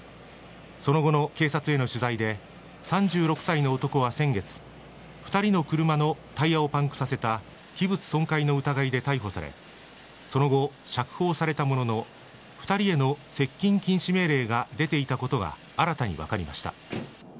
その後の警察への取材で、３６歳の男は先月、２人の車のタイヤをパンクさせた器物損壊の疑いで逮捕され、その後、釈放されたものの、２人への接近禁止命令が出ていたことが新たに分かりました。